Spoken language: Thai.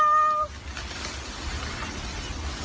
เมียว